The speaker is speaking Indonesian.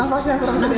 nafasnya kurang sedikit